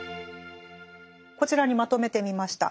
こちらにまとめてみました。